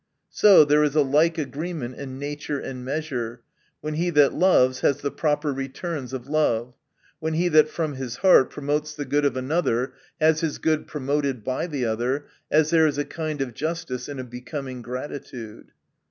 — So, there is a like agreement in nature and measure, when he that loves, has the proper returns of love ; when he that from his heart promotes the good of another, has his good promoted by the other ; as there is a kind of justice in a becoming gratitude.